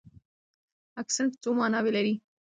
اکسنټ څو ماناوې لري؟